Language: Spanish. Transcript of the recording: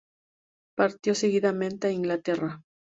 Partió seguidamente a Inglaterra.